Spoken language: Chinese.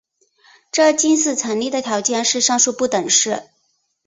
这近似成立的条件是上述不等式。